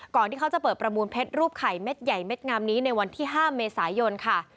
ที่เขาจะเปิดประมูลเพชรรูปไข่เม็ดใหญ่เม็ดงามนี้ในวันที่๕เมษายนค่ะ